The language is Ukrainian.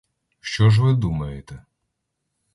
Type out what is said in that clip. Що ж ви думаєте?